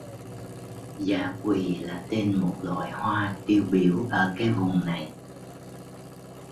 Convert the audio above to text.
Dã quỳ là tên một loại hoa tiêu biểu ở cái vùng này